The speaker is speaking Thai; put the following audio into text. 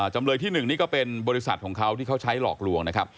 จำเลยที่๑นี่ก็เป็นบริษัทของเขาที่เขาใช้หลอกลวงนะครับ